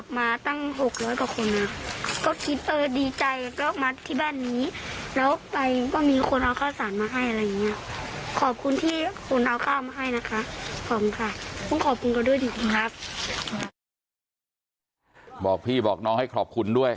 บอกพี่บอกน้องให้ขอบคุณด้วย